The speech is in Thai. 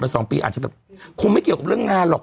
สองปีอาจจะแบบคงไม่เกี่ยวกับเรื่องงานหรอก